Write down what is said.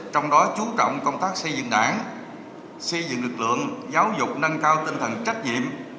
trong đó chú trọng công tác xây dựng đảng xây dựng lực lượng giáo dục nâng cao tinh thần trách nhiệm